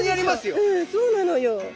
うんそうなのよ！